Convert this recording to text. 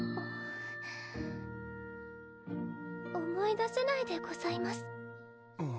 思い出せないでございます